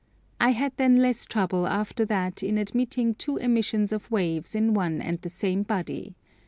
I had then less trouble after that in admitting two emissions of waves in one and the same body.